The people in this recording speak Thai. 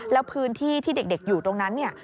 แล้วพื้นที่ที่เด็กอยู่ตรงนั้นเนี่ย